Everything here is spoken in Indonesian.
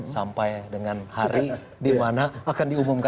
sampai dengan hari di mana akan diumumkan